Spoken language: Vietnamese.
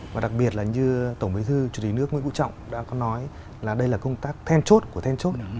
và đặc biệt là như tổng bí thư chủ tịch nước nguyễn vũ trọng đã có nói là đây là công tác then chốt của then chốt